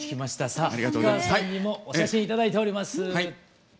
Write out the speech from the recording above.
さあ氷川さんにもお写真頂いております。